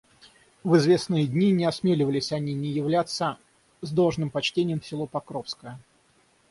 В известные дни не осмеливались они не являться с должным почтением в село Покровское.